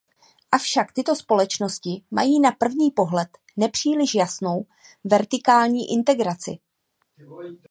Avšak tyto společnosti mají na první pohled nepříliš jasnou vertikální integraci.